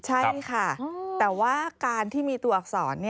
ใช่ค่ะแต่ว่าการที่มีตัวอักษร